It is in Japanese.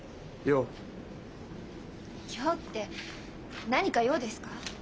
「よう」って何か用ですか？